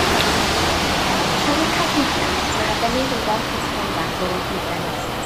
Pan fo'n cael seibiant mae'r adenydd yn gorgyffwrdd ar fôn coeden.